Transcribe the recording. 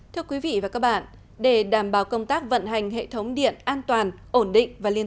thưa quý vị và các bạn để đảm bảo công tác vận hành hệ thống điện an toàn ổn định và liên